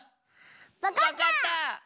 わかった！